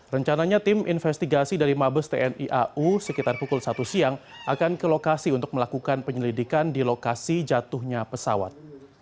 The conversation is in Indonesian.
rencananya tim investigasi dari mabes tni au sekitar pukul satu siang akan ke lokasi untuk melakukan penyelidikan di lokasi jatuhnya pesawat